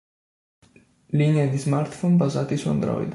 Linea di smartphone basati su Android.